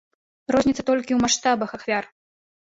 Розніца толькі ў маштабах ахвяр.